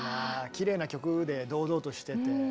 きれいな曲で堂々としてて。